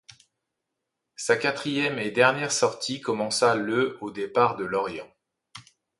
Sa quatrième et dernière sortie commença le au départ de Lorient.